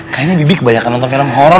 kayaknya bibik banyak nonton film horror